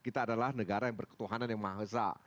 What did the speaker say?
kita adalah negara yang berketuhanan dengan maha esa